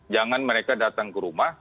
jangan mereka datang ke rumah